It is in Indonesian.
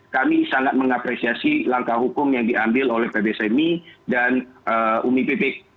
kami sangat mengapresiasi langkah hukum yang diambil oleh pb semi dan umi pipik